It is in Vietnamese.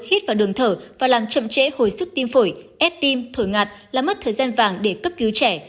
hít vào đường thở và làm chậm trễ hồi sức tim phổi ép tim thổi ngạt là mất thời gian vàng để cấp cứu trẻ